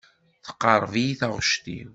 Teqreḥ-iyi taɣect-iw.